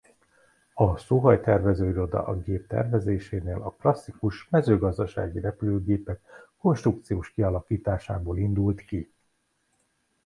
A Szuhoj-tervezőiroda a gép tervezésénél a klasszikus mezőgazdasági repülőgépek konstrukciós kialakításából indult ki.